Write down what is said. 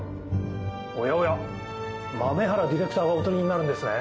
おやおや豆原ディレクターがお撮りになるんですね？